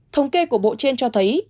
thống kê của bộ trên cho thấy